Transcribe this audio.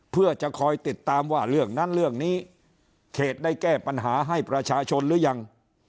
เพื่อจะคอยติดตามว่าเรื่องนั้นเรื่องนี้เขตได้แก้ปัญหาให้ประชาชนหรือยัง